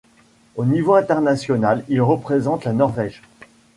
Au niveau international, il représente la Norvège.